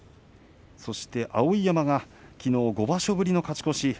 そして碧山がきのう５場所ぶりの勝ち越し。